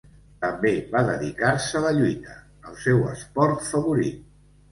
També va dedicar-se a la lluita, el seu esport favorit.